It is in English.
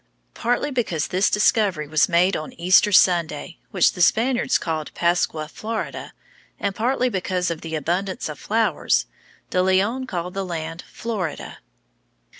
Partly because this discovery was made on Easter Sunday, which the Spaniards called Pascua Florida, and partly because of the abundance of flowers, De Leon called the land Florida.